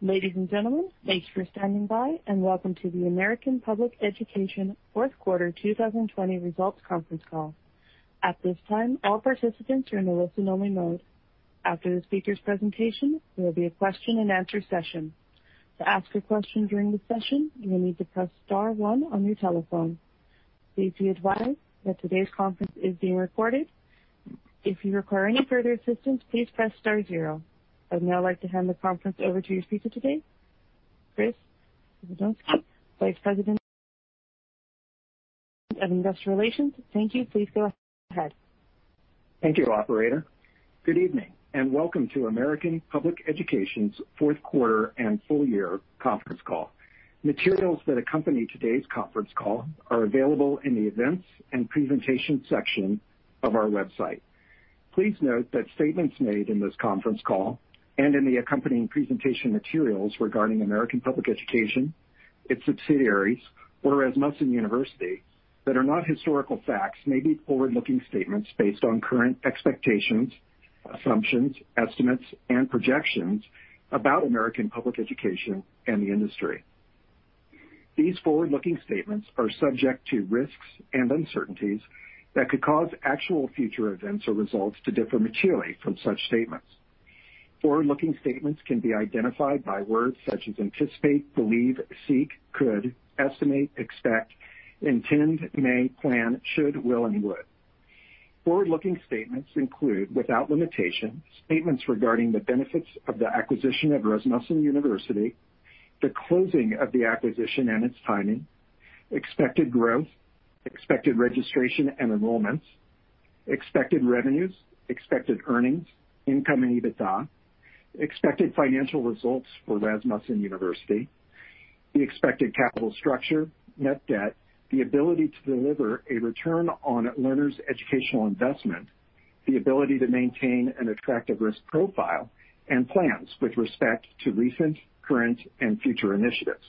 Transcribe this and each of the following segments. Ladies and gentlemen, thanks for standing by, and welcome to the American Public Education, Inc. fourth quarter 2020 results conference call. At this time, all participants are in a listen-only mode. After the speakers' presentation, there will be a question-and-answer session. To ask a question during the session, you will need to press star one on your telephone. Please be advised that today's conference is being recorded. If you require any further assistance, please press star zero. I would now like to hand the conference over to your speaker today, Chris Symanoskie, Vice President, Investor Relations. Thank you. Please go ahead. Thank you, operator. Good evening, and welcome to American Public Education's fourth quarter and full year conference call. Materials that accompany today's conference call are available in the events and presentations section of our website. Please note that statements made in this conference call and in the accompanying presentation materials regarding American Public Education, its subsidiaries, or Rasmussen University, that are not historical facts may be forward-looking statements based on current expectations, assumptions, estimates, and projections about American Public Education and the industry. These forward-looking statements are subject to risks and uncertainties that could cause actual future events or results to differ materially from such statements. Forward-looking statements can be identified by words such as "anticipate," "believe," "seek," "could," "estimate," "expect," "intend," "may," "plan," "should," "will," and "would." Forward-looking statements include, without limitation, statements regarding the benefits of the acquisition of Rasmussen University, the closing of the acquisition and its timing, expected growth, expected registration and enrollments, expected revenues, expected earnings, income, and EBITDA, expected financial results for Rasmussen University, the expected capital structure, net debt, the ability to deliver a return on learners' educational investment, the ability to maintain an attractive risk profile, and plans with respect to recent, current, and future initiatives.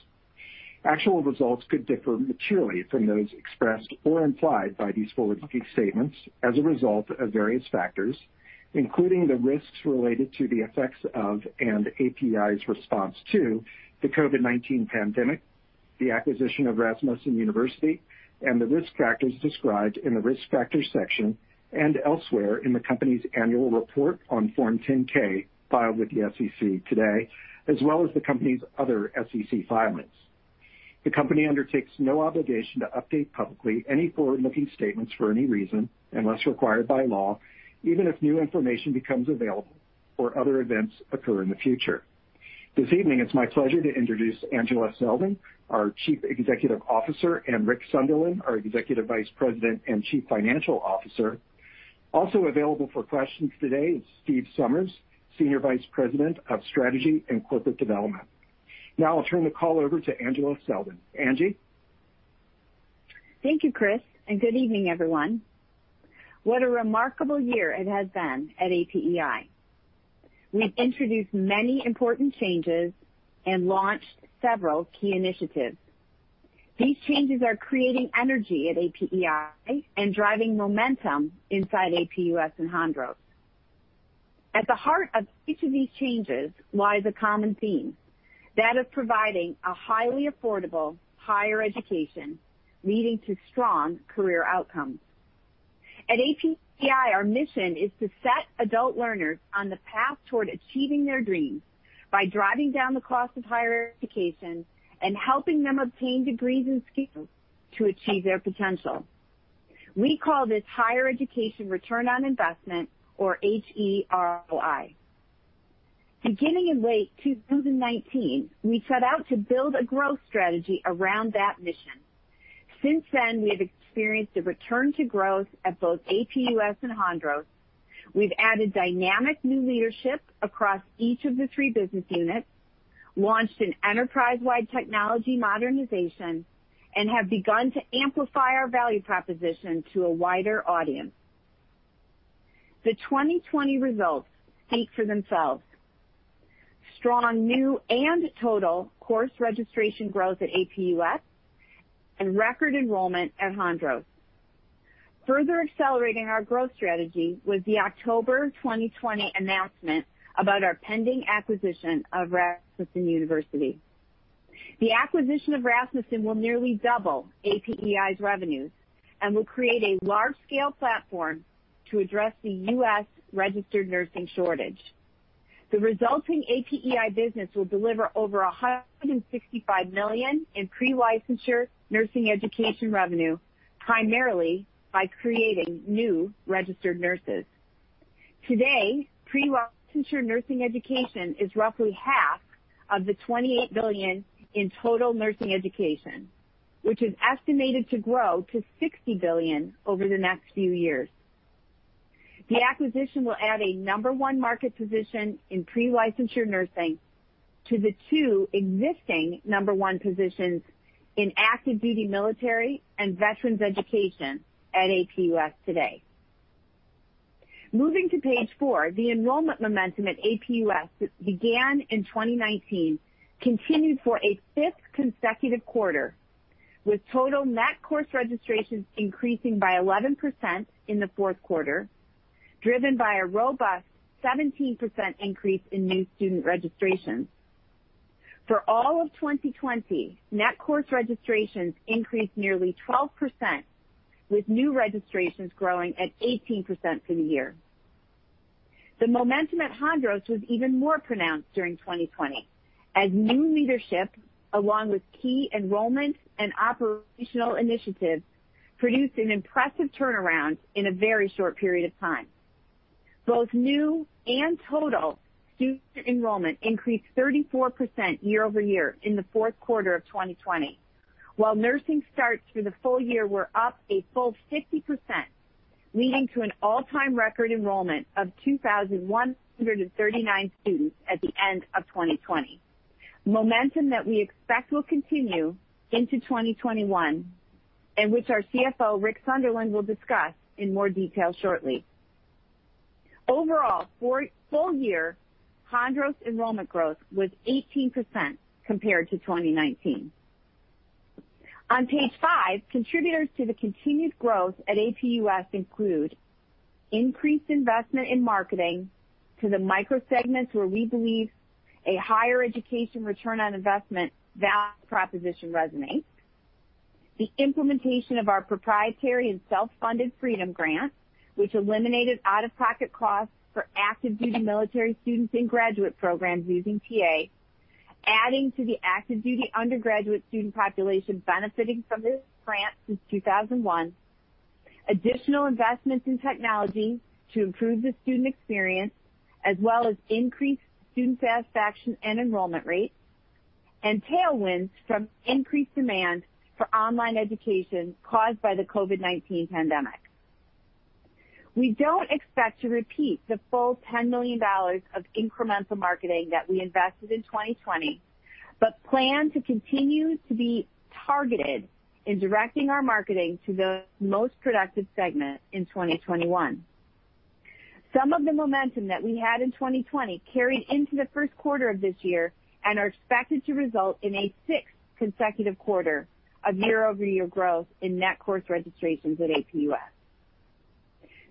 Actual results could differ materially from those expressed or implied by these forward-looking statements as a result of various factors, including the risks related to the effects of and APEI's response to the COVID-19 pandemic, the acquisition of Rasmussen University, and the risk factors described in the Risk Factors section and elsewhere in the company's annual report on Form 10-K filed with the SEC today, as well as the company's other SEC filings. The company undertakes no obligation to update publicly any forward-looking statements for any reason, unless required by law, even if new information becomes available or other events occur in the future. This evening, it's my pleasure to introduce Angela Selden, our Chief Executive Officer, and Rick Sunderland, our Executive Vice President and Chief Financial Officer. Also available for questions today is Steve Somers, Senior Vice President of Strategy and Corporate Development. Now I'll turn the call over to Angela Selden. Angie? Thank you, Chris. Good evening, everyone. What a remarkable year it has been at APEI. We've introduced many important changes and launched several key initiatives. These changes are creating energy at APEI and driving momentum inside APUS and Hondros. At the heart of each of these changes lies a common theme. That is providing a highly affordable higher education leading to strong career outcomes. At APEI, our mission is to set adult learners on the path toward achieving their dreams by driving down the cost of higher education and helping them obtain degrees and skills to achieve their potential. We call this Higher Education Return on Investment, or HEROI. Beginning in late 2019, we set out to build a growth strategy around that mission. Since then, we have experienced a return to growth at both APUS and Hondros. We've added dynamic new leadership across each of the three business units, launched an enterprise-wide technology modernization, and have begun to amplify our value proposition to a wider audience. The 2020 results speak for themselves. Strong new and total course registration growth at APUS and record enrollment at Hondros. Further accelerating our growth strategy was the October 2020 announcement about our pending acquisition of Rasmussen University. The acquisition of Rasmussen will nearly double APEI's revenues and will create a large-scale platform to address the U.S. registered nursing shortage. The resulting APEI business will deliver over $165 million in pre-licensure nursing education revenue, primarily by creating new registered nurses. Today, pre-licensure nursing education is roughly half of the $28 billion in total nursing education, which is estimated to grow to $60 billion over the next few years. The acquisition will add a number one market position in pre-licensure nursing to the two existing number one positions in active duty military and veterans education at APUS today. Moving to page four, the enrollment momentum at APUS that began in 2019 continued for a fifth consecutive quarter, with total net course registrations increasing by 11% in the fourth quarter, driven by a robust 17% increase in new student registrations. For all of 2020, net course registrations increased nearly 12%, with new registrations growing at 18% for the year. The momentum at Hondros was even more pronounced during 2020, as new leadership, along with key enrollment and operational initiatives, produced an impressive turnaround in a very short period of time. Both new and total student enrollment increased 34% year-over-year in the fourth quarter of 2020, while nursing starts for the full year were up a full 50%, leading to an all-time record enrollment of 2,139 students at the end of 2020, momentum that we expect will continue into 2021, and which our CFO, Rick Sunderland, will discuss in more detail shortly. Overall, full-year Hondros enrollment growth was 18% compared to 2019. On page five, contributors to the continued growth at APUS include increased investment in marketing to the micro segments where we believe a Higher Education Return on Investment value proposition resonates, the implementation of our proprietary and self-funded Freedom Grant, which eliminated out-of-pocket costs for active-duty military students in graduate programs using TA, adding to the active duty undergraduate student population benefiting from this grant since 2001, additional investments in technology to improve the student experience, as well as increased student satisfaction and enrollment rates, and tailwinds from increased demand for online education caused by the COVID-19 pandemic. We don't expect to repeat the full $10 million of incremental marketing that we invested in 2020. Plan to continue to be targeted in directing our marketing to the most productive segment in 2021. Some of the momentum that we had in 2020 carried into the first quarter of this year and are expected to result in a sixth consecutive quarter of year-over-year growth in net course registrations at APUS.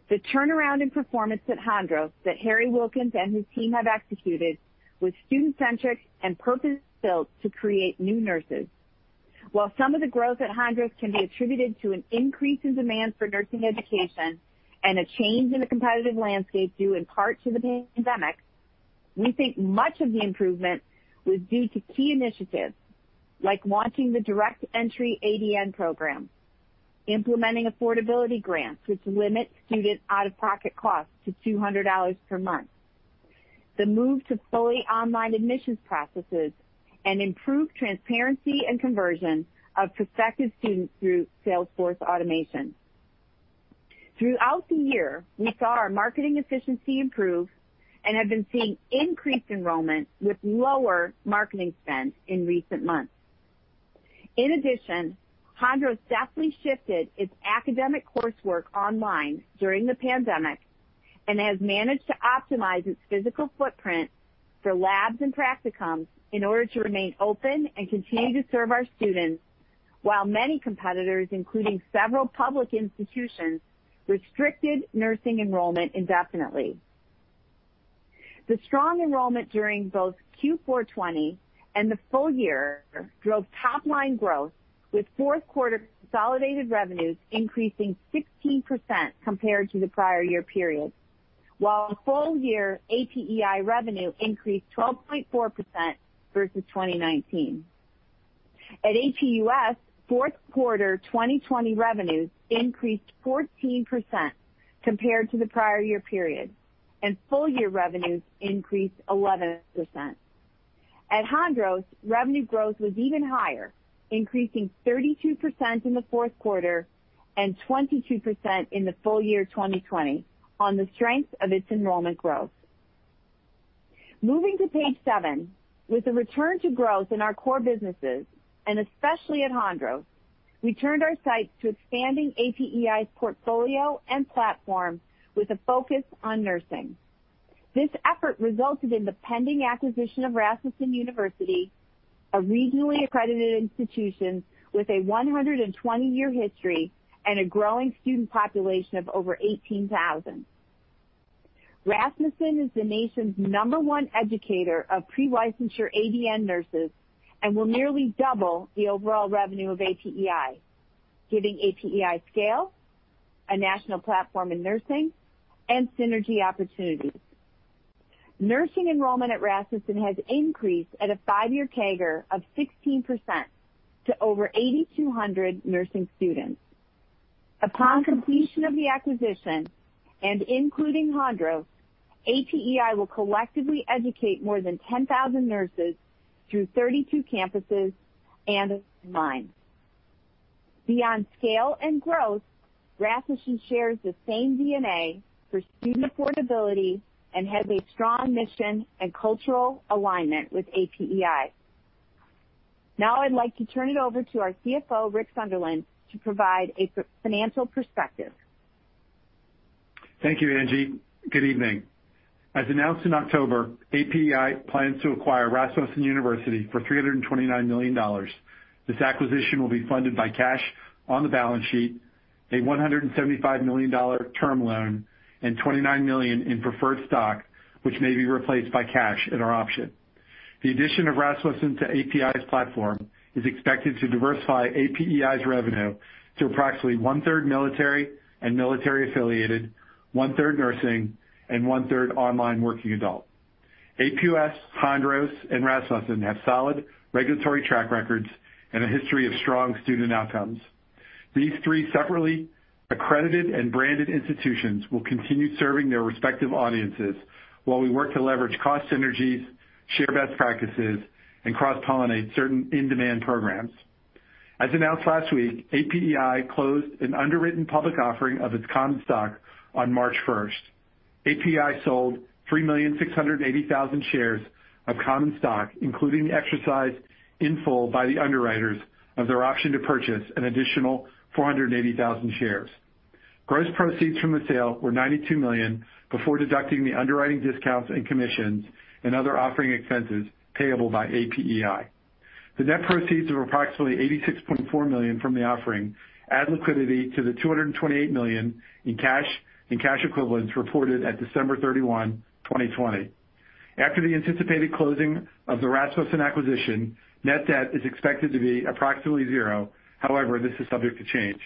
The turnaround in performance at Hondros that Harry Wilkins and his team have executed was student-centric and purpose-built to create new nurses. While some of the growth at Hondros can be attributed to an increase in demand for nursing education and a change in the competitive landscape due in part to the pandemic, we think much of the improvement was due to key initiatives like launching the direct entry ADN program, implementing affordability grants, which limit student out-of-pocket costs to $200 per month, the move to fully online admissions processes, and improved transparency and conversion of prospective students through Salesforce automation. Throughout the year, we saw our marketing efficiency improve and have been seeing increased enrollment with lower marketing spend in recent months. In addition, Hondros deftly shifted its academic coursework online during the pandemic and has managed to optimize its physical footprint for labs and practicums in order to remain open and continue to serve our students, while many competitors, including several public institutions, restricted nursing enrollment indefinitely. The strong enrollment during both Q4 2020 and the full year drove top-line growth, with fourth quarter consolidated revenues increasing 16% compared to the prior year period, while full year APEI revenue increased 12.4% versus 2019. At APUS, fourth quarter 2020 revenues increased 14% compared to the prior year period, and full year revenues increased 11%. At Hondros, revenue growth was even higher, increasing 32% in the fourth quarter and 22% in the full year 2020 on the strength of its enrollment growth. Moving to page seven. With the return to growth in our core businesses, and especially at Hondros, we turned our sights to expanding APEI's portfolio and platform with a focus on nursing. This effort resulted in the pending acquisition of Rasmussen University, a regionally accredited institution with a 120-year history and a growing student population of over 18,000. Rasmussen is the nation's number one educator of pre-licensure ADN nurses and will nearly double the overall revenue of APEI, giving APEI scale, a national platform in nursing, and synergy opportunities. Nursing enrollment at Rasmussen has increased at a five-year CAGR of 16% to over 8,200 nursing students. Upon completion of the acquisition, and including Hondros, APEI will collectively educate more than 10,000 nurses through 32 campuses and online. Beyond scale and growth, Rasmussen shares the same DNA for student affordability and has a strong mission and cultural alignment with APEI. Now I'd like to turn it over to our CFO, Rick Sunderland, to provide a financial perspective. Thank you, Angela. Good evening. As announced in October, APEI plans to acquire Rasmussen University for $329 million. This acquisition will be funded by cash on the balance sheet, a $175 million term loan, and $29 million in preferred stock, which may be replaced by cash at our option. The addition of Rasmussen to APEI's platform is expected to diversify APEI's revenue to approximately one-third military and military-affiliated, one-third nursing, and one-third online working adult. APUS, Hondros, and Rasmussen have solid regulatory track records and a history of strong student outcomes. These three separately accredited and branded institutions will continue serving their respective audiences while we work to leverage cost synergies, share best practices, and cross-pollinate certain in-demand programs. As announced last week, APEI closed an underwritten public offering of its common stock on March 1st. APEI sold 3,680,000 shares of common stock, including the exercise in full by the underwriters of their option to purchase an additional 480,000 shares. Gross proceeds from the sale were $92 million before deducting the underwriting discounts and commissions and other offering expenses payable by APEI. The net proceeds of approximately $86.4 million from the offering add liquidity to the $228 million in cash and cash equivalents reported at December 31, 2020. After the anticipated closing of the Rasmussen acquisition, net debt is expected to be approximately zero. However, this is subject to change.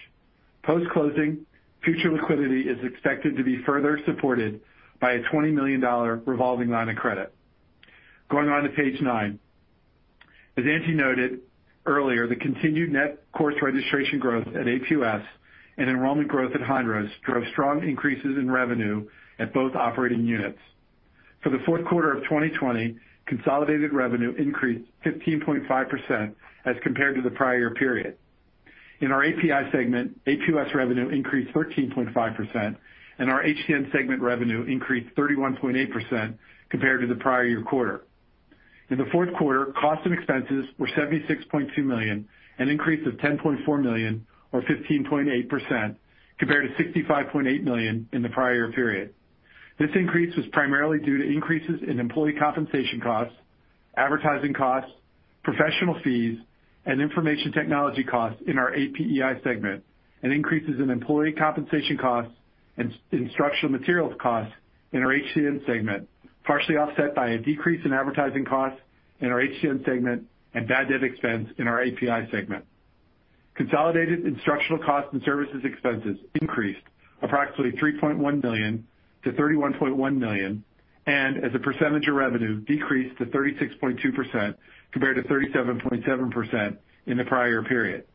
Post-closing, future liquidity is expected to be further supported by a $20 million revolving line of credit. Going on to page nine. As Angie noted earlier, the continued net course registration growth at APUS and enrollment growth at Hondros drove strong increases in revenue at both operating units. For the fourth quarter of 2020, consolidated revenue increased 15.5% as compared to the prior period. In our APEI segment, APUS revenue increased 13.5%, and our HCN segment revenue increased 31.8% compared to the prior year quarter. In the fourth quarter, costs and expenses were $76.2 million, an increase of $10.4 million or 15.8% compared to $65.8 million in the prior period. This increase was primarily due to increases in employee compensation costs, advertising costs, professional fees, and information technology costs in our APEI segment, and increases in employee compensation costs and instructional materials costs in our HCN segment, partially offset by a decrease in advertising costs in our HCN segment and bad debt expense in our APEI segment. Consolidated instructional costs and services expenses increased approximately $3.1 million to $31.1 million, and as a percentage of revenue, decreased to 36.2% compared to 37.7% in the prior period.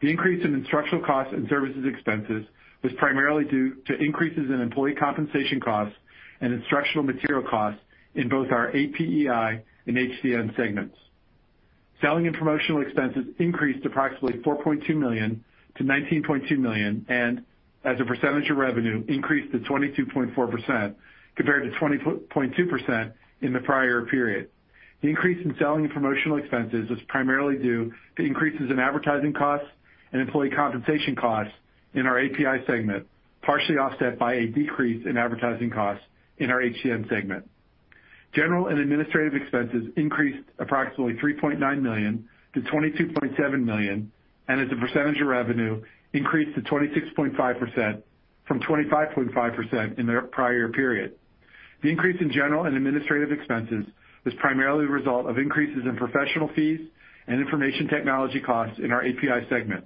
The increase in instructional costs and services expenses was primarily due to increases in employee compensation costs and instructional material costs in both our APEI and HCN segments. Selling and promotional expenses increased approximately $4.2 million to $19.2 million, and as a percentage of revenue, increased to 22.4% compared to 20.2% in the prior period. The increase in selling and promotional expenses was primarily due to increases in advertising costs and employee compensation costs in our APEI segment, partially offset by a decrease in advertising costs in our HCN segment. General and administrative expenses increased approximately $3.9 million to $22.7 million, and as a percentage of revenue, increased to 26.5% from 25.5% in the prior period. The increase in general and administrative expenses was primarily the result of increases in professional fees and information technology costs in our APEI segment.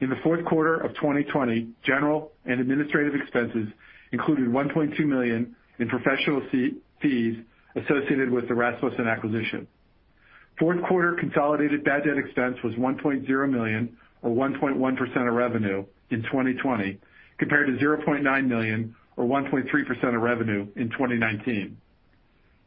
In the fourth quarter of 2020, general and administrative expenses included $1.2 million in professional fees associated with the Rasmussen acquisition. Fourth quarter consolidated bad debt expense was $1.0 million or 1.1% of revenue in 2020, compared to $0.9 million or 1.3% of revenue in 2019.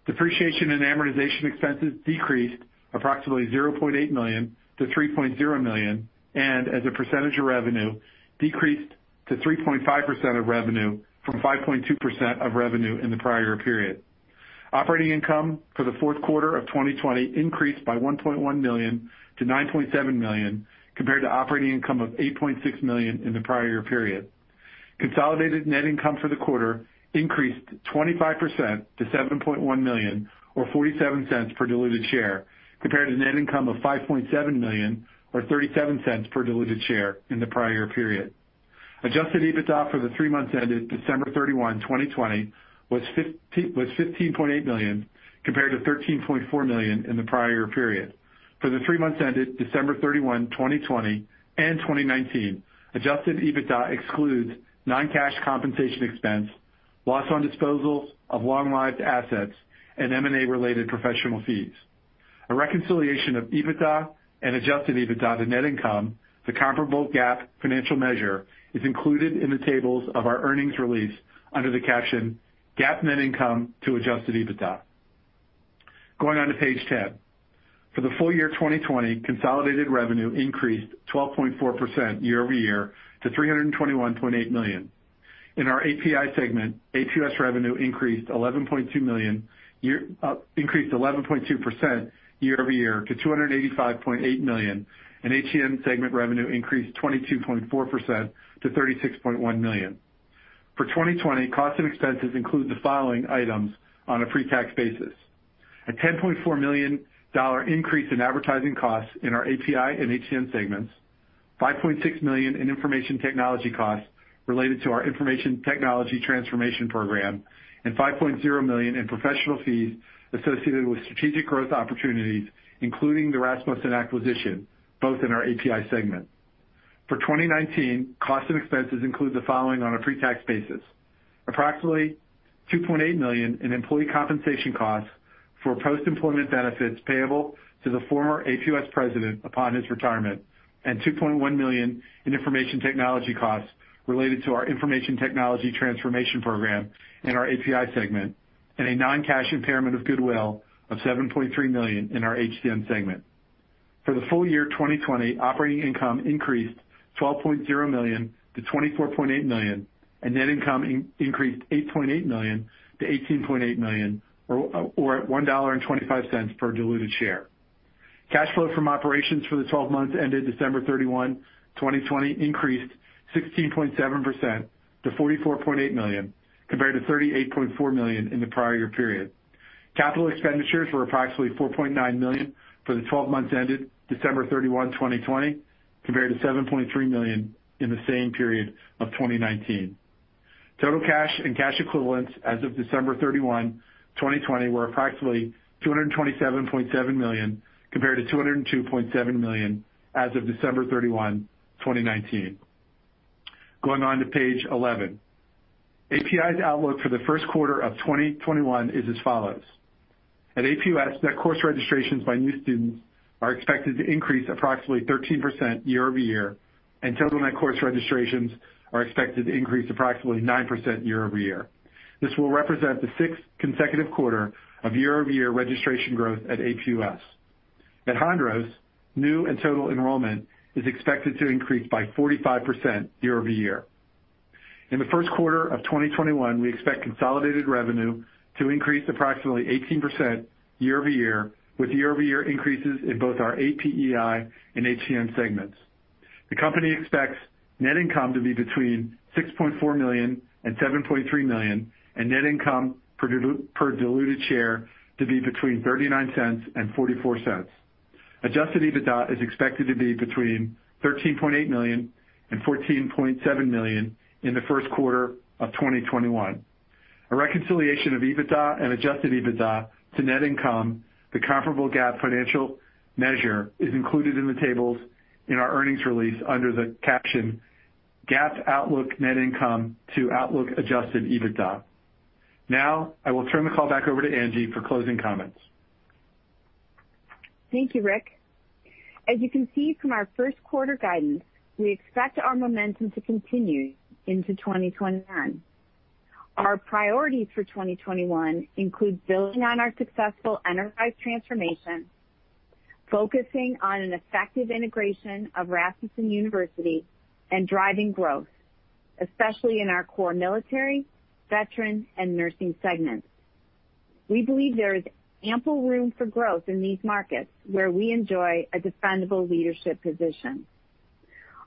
Depreciation and amortization expenses decreased approximately $0.8 million to $3.0 million, and as a percentage of revenue, decreased to 3.5% of revenue from 5.2% of revenue in the prior period. Operating income for the fourth quarter of 2020 increased by $1.1 million to $9.7 million compared to operating income of $8.6 million in the prior year period. Consolidated net income for the quarter increased 25% to $7.1 million or $0.47 per diluted share, compared to net income of $5.7 million or $0.37 per diluted share in the prior period. Adjusted EBITDA for the three months ended December 31, 2020, was $15.8 million, compared to $13.4 million in the prior period. For the three months ended December 31, 2020, and 2019, adjusted EBITDA excludes non-cash compensation expense, loss on disposals of long-lived assets, and M&A related professional fees. A reconciliation of EBITDA and adjusted EBITDA to net income to comparable GAAP financial measure is included in the tables of our earnings release under the caption GAAP net income to adjusted EBITDA. Going on to page 10. For the full year 2020, consolidated revenue increased 12.4% year-over-year to $321.8 million. In our APEI segment, APUS revenue increased 11.2% year-over-year to $285.8 million, and HCN segment revenue increased 22.4% to $36.1 million. For 2020, costs and expenses include the following items on a pre-tax basis: a $10.4 million increase in advertising costs in our APEI and HCN segments, $5.6 million in Information Technology costs related to our Information Technology Transformation Program, and $5.0 million in professional fees associated with strategic growth opportunities, including the Rasmussen acquisition, both in our APEI segment. For 2019, costs and expenses include the following on a pre-tax basis: approximately $2.8 million in employee compensation costs for post-employment benefits payable to the former APUS president upon his retirement, and $2.1 million in Information Technology costs related to our Information Technology Transformation Program in our APEI segment, and a non-cash impairment of goodwill of $7.3 million in our HCN segment. For the full year 2020, operating income increased $12.0 million to $24.8 million, and net income increased $8.8 million to $18.8 million, or at $1.25 per diluted share. Cash flow from operations for the 12 months ended December 31, 2020, increased 16.7% to $44.8 million, compared to $38.4 million in the prior year period. Capital expenditures were approximately $4.9 million for the 12 months ended December 31, 2020, compared to $7.3 million in the same period of 2019. Total cash and cash equivalents as of December 31, 2020, were approximately $227.7 million, compared to $202.7 million as of December 31, 2019. Going on to page 11. APEI's outlook for the first quarter of 2021 is as follows. At APUS, net course registrations by new students are expected to increase approximately 13% year-over-year, and total net course registrations are expected to increase approximately 9% year-over-year. This will represent the sixth consecutive quarter of year-over-year registration growth at APUS. At Hondros, new and total enrollment is expected to increase by 45% year-over-year. In the first quarter of 2021, we expect consolidated revenue to increase approximately 18% year-over-year, with year-over-year increases in both our APEI and HCN segments. The company expects net income to be between $6.4 million and $7.3 million, and net income per diluted share to be between $0.39 and $0.44. Adjusted EBITDA is expected to be between $13.8 million and $14.7 million in the first quarter of 2021. A reconciliation of EBITDA and adjusted EBITDA to net income, the comparable GAAP financial measure is included in the tables in our earnings release under the caption "GAAP Outlook Net Income to Outlook Adjusted EBITDA." I will turn the call back over to Angie for closing comments. Thank you, Rick. As you can see from our first quarter guidance, we expect our momentum to continue into 2021. Our priorities for 2021 include building on our successful enterprise transformation, focusing on an effective integration of Rasmussen University, and driving growth, especially in our core military, veteran, and nursing segments. We believe there is ample room for growth in these markets where we enjoy a defendable leadership position.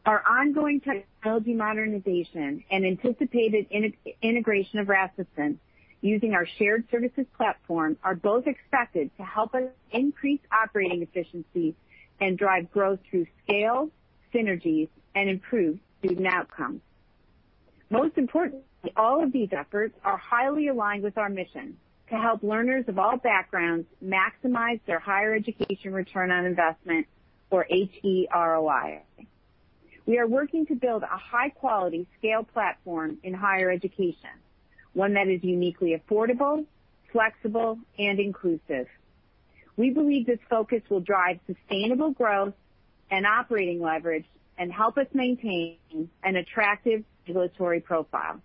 Our ongoing technology modernization and anticipated integration of Rasmussen using our shared services platform are both expected to help us increase operating efficiency and drive growth through scale, synergies, and improved student outcomes. Most importantly, all of these efforts are highly aligned with our mission to help learners of all backgrounds maximize their Higher Education Return on Investment or HEROI. We are working to build a high-quality scale platform in higher education, one that is uniquely affordable, flexible, and inclusive. We believe this focus will drive sustainable growth and operating leverage and help us maintain an attractive regulatory profile.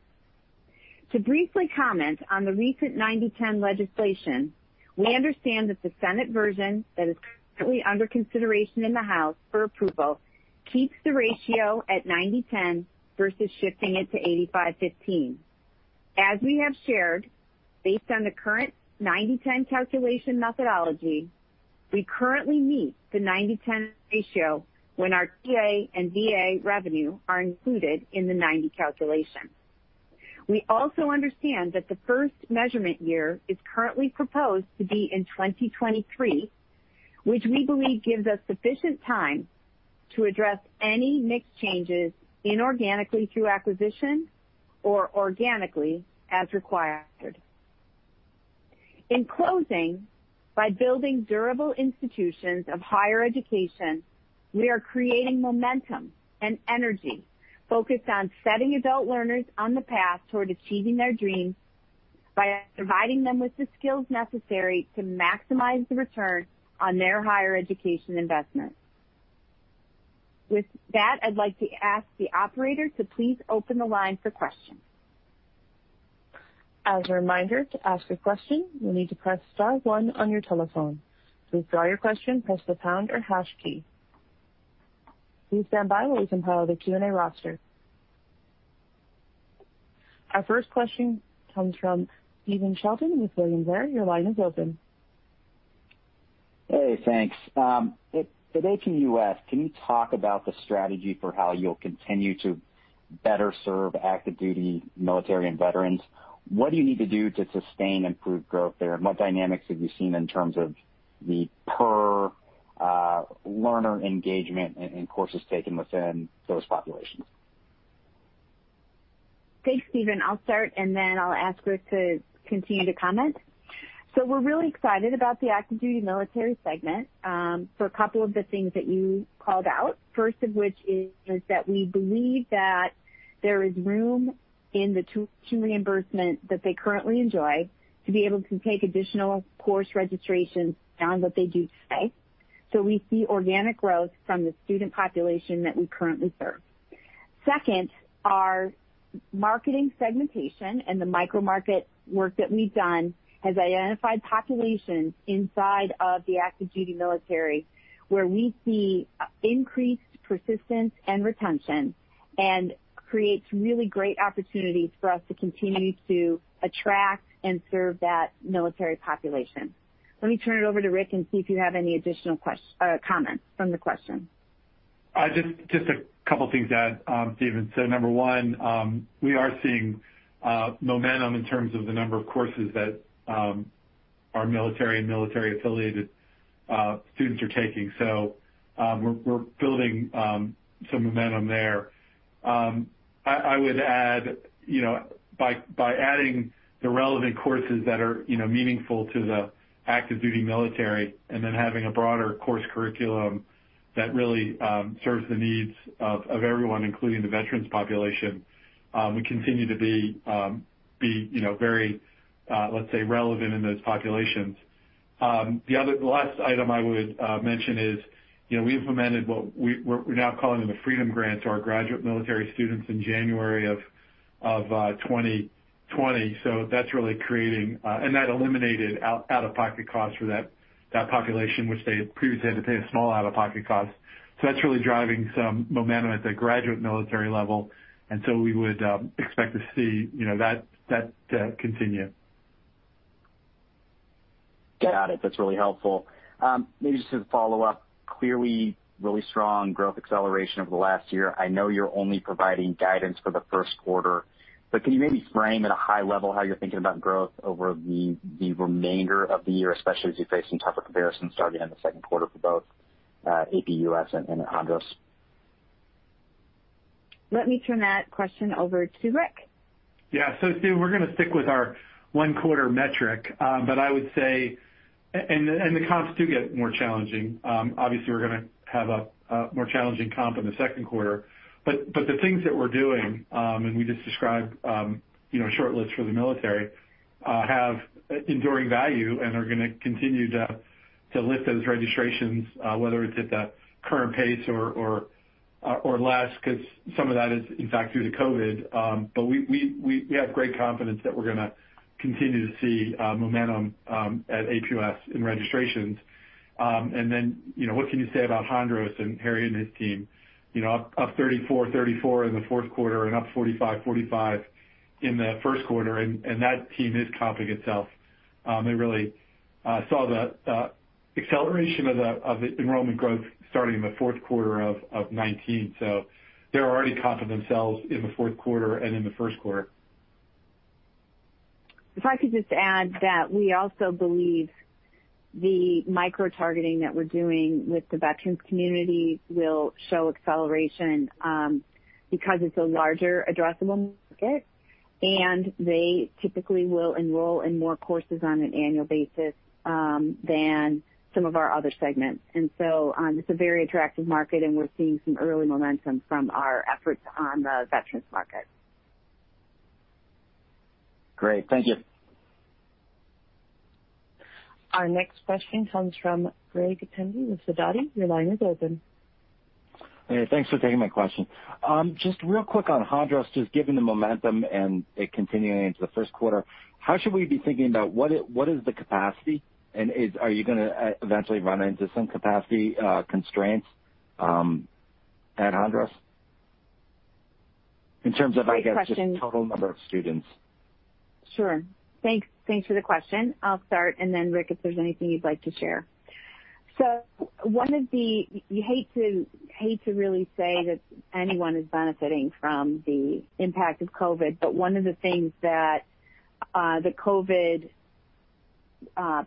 To briefly comment on the recent 90/10 legislation, we understand that the Senate version that is currently under consideration in the House for approval keeps the ratio at 90/10 versus shifting it to 85/15. As we have shared, based on the current 90/10 calculation methodology, we currently meet the 90/10 ratio when our TA and VA revenue are included in the 90 calculation. We also understand that the first measurement year is currently proposed to be in 2023, which we believe gives us sufficient time to address any mix changes inorganically through acquisition or organically as required. In closing, by building durable institutions of higher education, we are creating momentum and energy focused on setting adult learners on the path toward achieving their dreams by providing them with the skills necessary to maximize the return on their higher education investment. With that, I'd like to ask the operator to please open the line for questions. As a reminder, to ask a question, you need to press star one on your telephone. To withdraw your question, press the pound or hash key. Please stand by while we compile the Q&A roster. Our first question comes from Stephen Sheldon with William Blair. Your line is open Hey, thanks. At APUS, can you talk about the strategy for how you'll continue to better serve active duty military and veterans? What do you need to do to sustain improved growth there, and what dynamics have you seen in terms of the per learner engagement in courses taken within those populations? Thanks, Stephen. I'll start, then I'll ask Rick to continue to comment. We're really excited about the active duty military segment for a couple of the things that you called out, first of which is that we believe that there is room in the tuition reimbursement that they currently enjoy to be able to take additional course registrations beyond what they do today. So we see organic growth from the student population that we currently serve. Second, our marketing segmentation and the micro-market work that we've done has identified populations inside of the active duty military where we see increased persistence and retention and creates really great opportunities for us to continue to attract and serve that military population. Let me turn it over to Rick and see if you have any additional comments from the question. Just a couple things to add, Stephen. Number one, we are seeing momentum in terms of the number of courses that our military and military-affiliated students are taking. We're building some momentum there. I would add, by adding the relevant courses that are meaningful to the active duty military and then having a broader course curriculum that really serves the needs of everyone, including the veterans population, we continue to be very, let's say, relevant in those populations. The last item I would mention is, we implemented what we're now calling the Freedom Grant to our graduate military students in January of 2020. That's really creating, and that eliminated out-of-pocket costs for that population, which they previously had to pay a small out-of-pocket cost. That's really driving some momentum at the graduate military level. We would expect to see that continue. Got it. That's really helpful. Maybe just as a follow-up, clearly really strong growth acceleration over the last year. I know you're only providing guidance for the first quarter, can you maybe frame at a high level how you're thinking about growth over the remainder of the year, especially as you face some tougher comparisons starting in the second quarter for both APUS and Hondros? Let me turn that question over to Rick. Stephen, we're going to stick with our one-quarter metric. The comps do get more challenging. Obviously, we're going to have a more challenging comp in the second quarter. The things that we're doing, and we just described a short list for the military, have enduring value and are going to continue to lift those registrations, whether it's at the current pace or less, because some of that is, in fact, due to COVID-19. We have great confidence that we're going to continue to see momentum at APUS in registrations. What can you say about Hondros and Harry and his team? Up 34% in the fourth quarter and up 45% in the first quarter, that team is comping itself. They really saw the acceleration of the enrollment growth starting in the fourth quarter of 2019. They're already comping themselves in the fourth quarter and in the first quarter. If I could just add that we also believe the micro-targeting that we're doing with the veterans community will show acceleration because it's a larger addressable market, and they typically will enroll in more courses on an annual basis than some of our other segments. And so it's a very attractive market, and we're seeing some early momentum from our efforts on the veterans market. Great. Thank you. Our next question comes from Greg Pendy with Sidoti. Your line is open. Hey, thanks for taking my question. Just real quick on Hondros, just given the momentum and it continuing into the first quarter, how should we be thinking about what is the capacity, and are you going to eventually run into some capacity constraints at Hondros? Great question. Just total number of students. Sure. Thanks for the question. I'll start, and then Rick, if there's anything you'd like to share. You hate to really say that anyone is benefiting from the impact of COVID, but one of the things that the COVID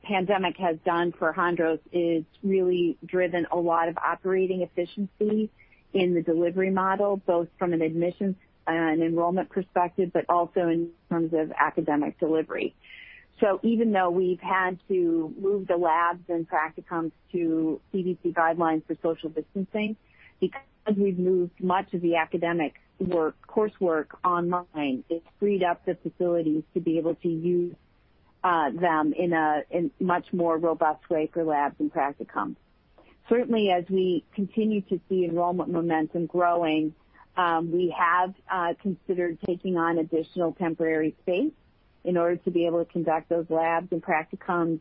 pandemic has done for Hondros is really driven a lot of operating efficiency in the delivery model, both from an admissions and enrollment perspective, but also in terms of academic delivery. Even though we've had to move the labs and practicums to CDC guidelines for social distancing, because we've moved much of the academic coursework online, it's freed up the facilities to be able to use them in a much more robust way for labs and practicum. Certainly, as we continue to see enrollment momentum growing, we have considered taking on additional temporary space in order to be able to conduct those labs and practicums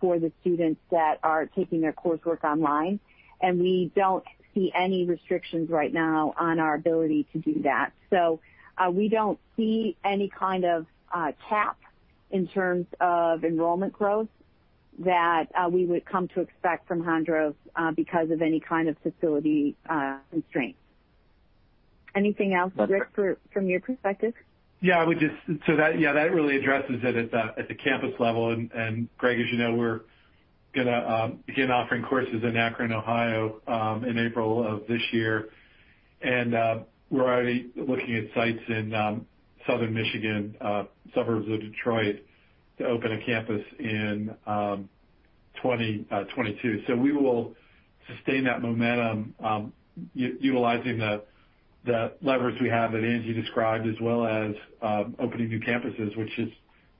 for the students that are taking their coursework online. We don't see any restrictions right now on our ability to do that. We don't see any kind of cap in terms of enrollment growth that we would come to expect from Hondros because of any kind of facility constraints. Anything else, Rick, from your perspective? Yeah. That really addresses it at the campus level. Greg, as you know, we're going to begin offering courses in Akron, Ohio, in April of this year. We're already looking at sites in Southern Michigan, suburbs of Detroit, to open a campus in 2022. We will sustain that momentum, utilizing the leverage we have that Angie described, as well as opening new campuses, which is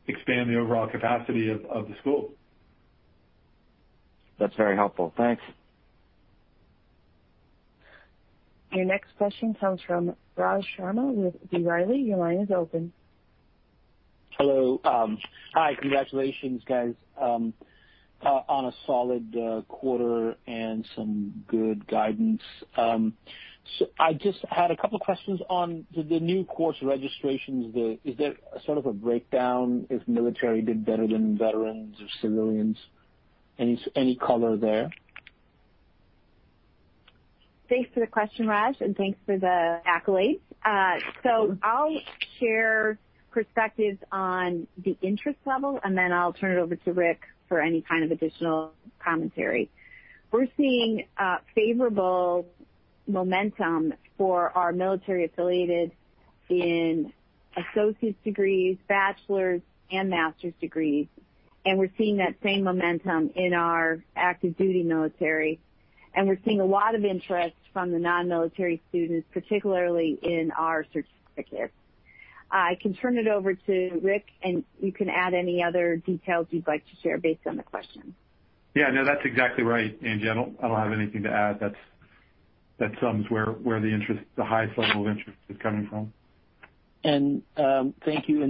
expanding the overall capacity of the school. That's very helpful. Thanks. Your next question comes from Raj Sharma with B. Riley. Your line is open. Hello. Hi. Congratulations, guys, on a solid quarter and some good guidance. I just had a couple questions on the new course registrations. Is there a sort of a breakdown if military did better than veterans or civilians? Any color there? Thanks for the question, Raj, and thanks for the accolades. I'll share perspectives on the interest level, and then I'll turn it over to Rick for any kind of additional commentary. We're seeing favorable momentum for our military-affiliated in associate's degrees, bachelor's, and master's degrees. We're seeing that same momentum in our active duty military. We're seeing a lot of interest from the non-military students, particularly in our certificate. I can turn it over to Rick, and you can add any other details you'd like to share based on the question. Yeah, no, that's exactly right, Angela. I don't have anything to add. That sums where the highest level of interest is coming from. Thank you.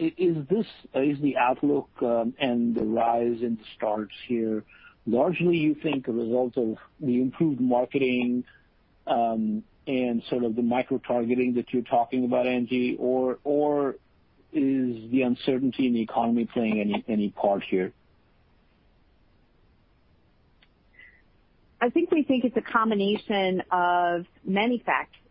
Is the outlook and the rise in the starts here largely, you think, a result of the improved marketing, and the micro-targeting that you're talking about, Angie, or is the uncertainty in the economy playing any part here? I think we think it's a combination of many factors.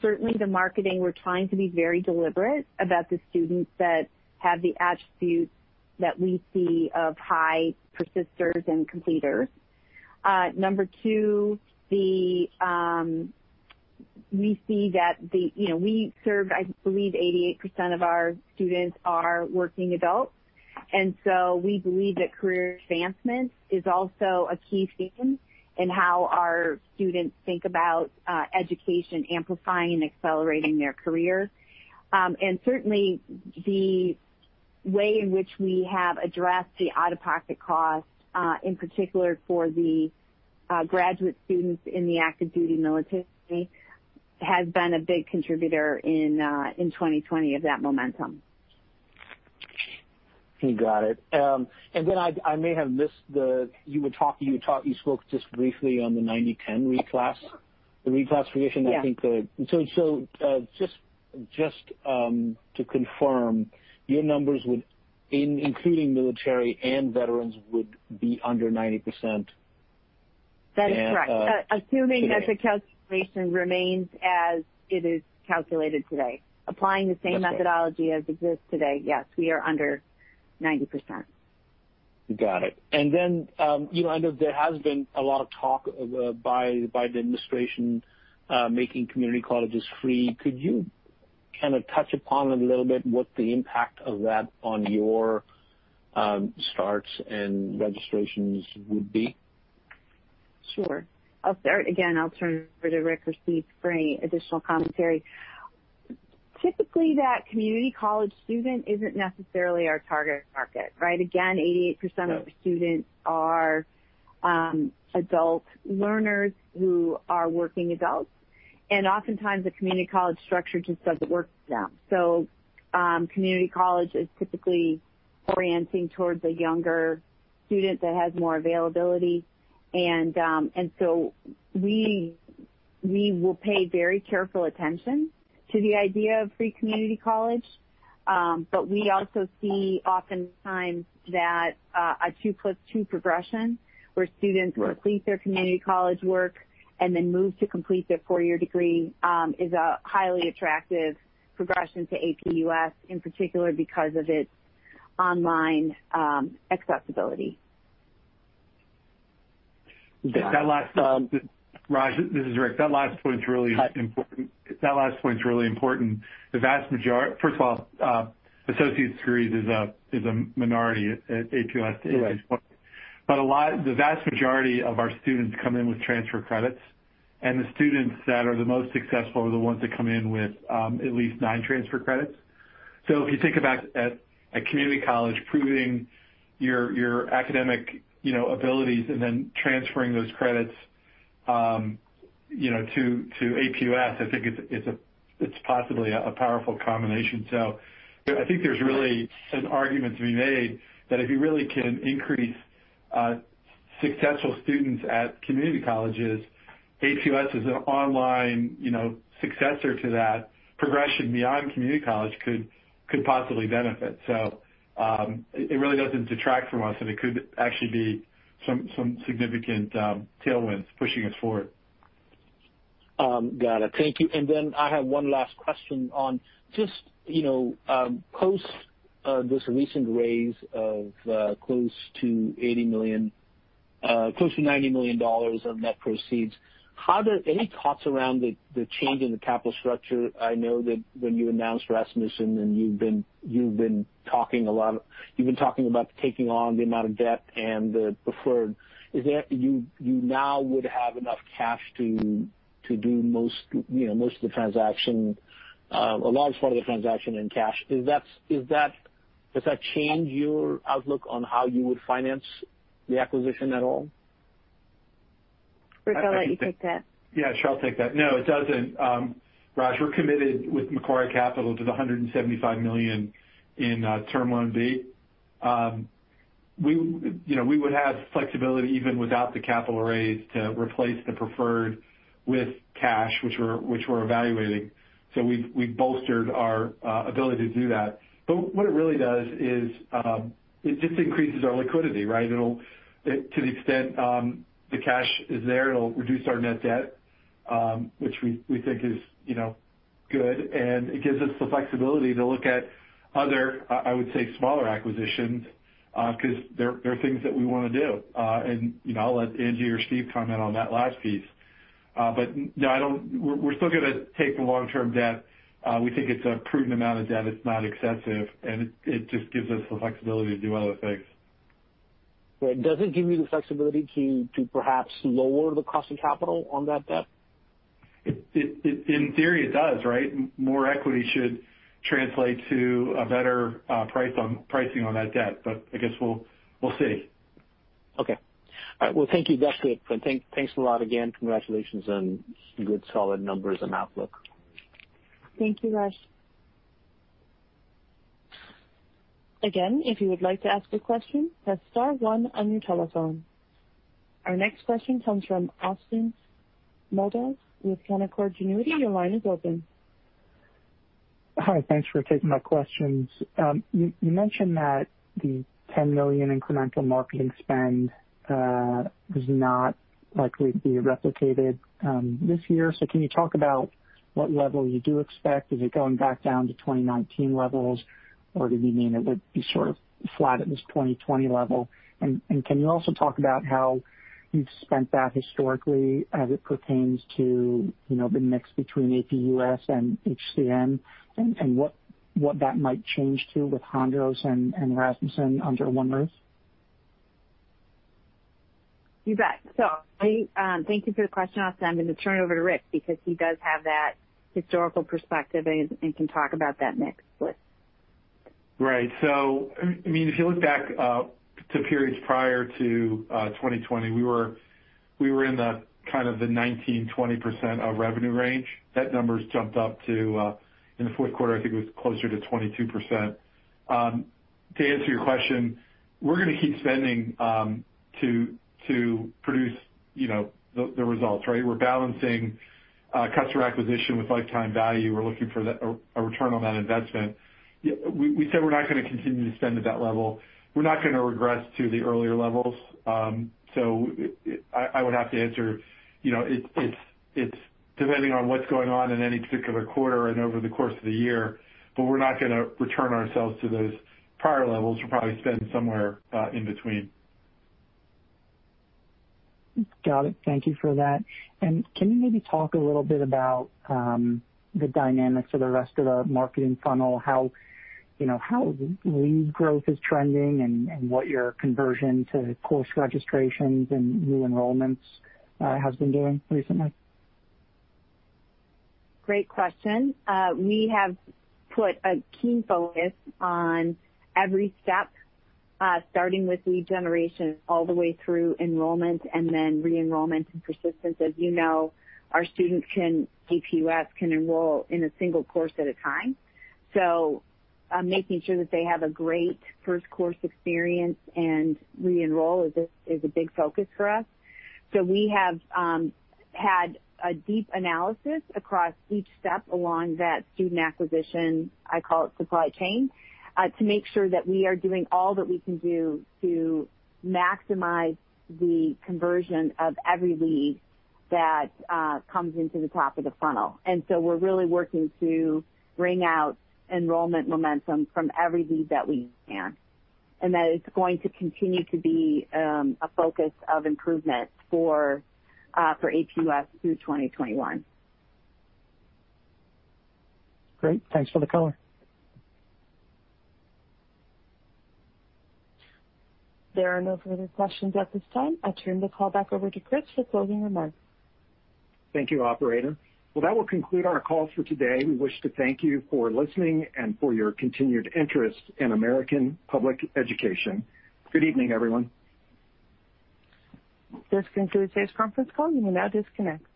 Certainly, the marketing, we're trying to be very deliberate about the students that have the attributes that we see of high persisters and completers. Number two, we see that we serve, I believe 88% of our students are working adults. We believe that career advancement is also a key theme in how our students think about education amplifying and accelerating their career. Certainly, the way in which we have addressed the out-of-pocket cost, in particular for the graduate students in the active duty military, has been a big contributor in 2020 of that momentum. Got it. You spoke just briefly on the 90/10 reclassification. Yeah I think. Just to confirm, your numbers would, including military and veterans, would be under 90%? That is correct. And- Assuming that the calculation remains as it is calculated today. Applying the same methodology as exists today, yes, we are under 90%. Got it. I know there has been a lot of talk by the administration making community colleges free. Could you kind of touch upon it a little bit, what the impact of that on your starts and registrations would be? Sure. I'll start again. I'll turn it over to Rick or Steve for any additional commentary. Typically, that community college student isn't necessarily our target market, right? 88% of the students are adult learners who are working adults. Oftentimes, the community college structure just doesn't work for them. Community college is typically orienting towards a younger student that has more availability. We will pay very careful attention to the idea of free community college. We also see oftentimes that a two plus two progression where students complete their community college work and then move to complete their four-year degree, is a highly attractive progression to APUS, in particular because of its online accessibility. Raj, this is Rick. That last point's really important. First of all, associate's degrees is a minority at APUS at this point. Right. The vast majority of our students come in with transfer credits, and the students that are the most successful are the ones that come in with at least nine transfer credits. If you think about at community college, proving your academic abilities and then transferring those credits to APUS, I think it's possibly a powerful combination. I think there's really an argument to be made that if you really can increase successful students at community colleges, APUS as an online successor to that progression beyond community college could possibly benefit. It really doesn't detract from us, and it could actually be some significant tailwinds pushing us forward. Got it. Thank you. I have one last question on post this recent raise of close to $90 million of net proceeds, any thoughts around the change in the capital structure? I know that when you announced Rasmussen and you've been talking about taking on the amount of debt and the preferred. You now would have enough cash to do most of the transaction, a large part of the transaction in cash. Does that change your outlook on how you would finance the acquisition at all? Rick, I'll let you take that. Yeah, sure. I'll take that. No, it doesn't. Raj, we're committed with Macquarie Capital to the $175 million in Term Loan B. We would have flexibility even without the capital raise to replace the preferred with cash, which we're evaluating. We've bolstered our ability to do that. What it really does is it just increases our liquidity, right? To the extent the cash is there, it'll reduce our net debt, which we think is good, and it gives us the flexibility to look at other, I would say, smaller acquisitions, because there are things that we want to do. I'll let Angie or Steve comment on that last piece. No, we're still going to take the long-term debt. We think it's a prudent amount of debt. It's not excessive, and it just gives us the flexibility to do other things. Right. Does it give you the flexibility to perhaps lower the cost of capital on that debt? In theory, it does, right? More equity should translate to a better pricing on that debt. I guess we'll see. Okay. All right. Well, thank you. That's it. Thanks a lot again. Congratulations on some good, solid numbers and outlook. Thank you, Raj. Again, if you would like to ask a question, press star one on your telephone. Our next question comes from Austin Moldow with Canaccord Genuity. Your line is open. Hi. Thanks for taking my questions. You mentioned that the $10 million incremental marketing spend is not likely to be replicated this year. Can you talk about what level you do expect? Is it going back down to 2019 levels, or do you mean it would be sort of flat at this 2020 level? Can you also talk about how you've spent that historically as it pertains to the mix between APUS and HCN and what that might change to with Hondros and Rasmussen under one roof? You bet. Thank you for the question, Austin. I'm going to turn it over to Rick because he does have that historical perspective and can talk about that mix. Rick. Right. If you look back to periods prior to 2020, we were in the kind of the 19%, 20% of revenue range. That number's jumped up to in the fourth quarter, I think it was closer to 22%. To answer your question, we're going to keep spending to produce the results, right? We're balancing customer acquisition with lifetime value. We're looking for a return on that investment. We said we're not going to continue to spend at that level. We're not going to regress to the earlier levels. I would have to answer, it's depending on what's going on in any particular quarter and over the course of the year, but we're not going to return ourselves to those prior levels. We'll probably spend somewhere in between. Got it. Thank you for that. Can you maybe talk a little bit about the dynamics of the rest of the marketing funnel, how lead growth is trending and what your conversion to course registrations and new enrollments has been doing recently? Great question. We have put a keen focus on every step, starting with lead generation all the way through enrollment and then re-enrollment and persistence. As you know, our students, APUS, can enroll in a single course at a time. Making sure that they have a great first course experience and re-enroll is a big focus for us. We have had a deep analysis across each step along that student acquisition, I call it supply chain, to make sure that we are doing all that we can do to maximize the conversion of every lead that comes into the top of the funnel. We're really working to wring out enrollment momentum from every lead that we can. That is going to continue to be a focus of improvement for APUS through 2021. Great. Thanks for the color. There are no further questions at this time. I turn the call back over to Chris for closing remarks. Thank you, operator. Well, that will conclude our call for today. We wish to thank you for listening and for your continued interest in American Public Education. Good evening, everyone. This concludes today's conference call. You may now disconnect.